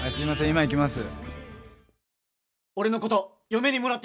今行きます。